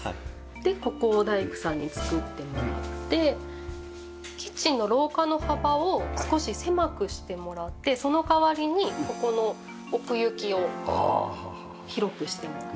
でここを大工さんに作ってもらってキッチンの廊下の幅を少し狭くしてもらってその代わりにここの奥行きを広くしてもらいました。